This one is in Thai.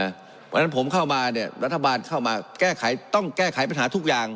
เพราะฉะนั้นผมเข้ามาเนี่ยรัฐบาลเข้ามาแก้ไขต้องแก้ไขปัญหาทุกอย่าง